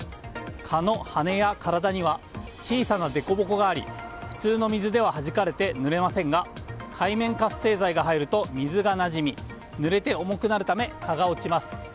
蚊の羽や体には小さな凸凹があり普通の水でははじかれてぬれませんが界面活性剤が入ると水がなじみぬれて重くなるため蚊が落ちます。